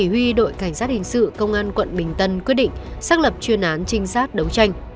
quận bình tân quyết định xác lập chuyên án trinh sát đấu tranh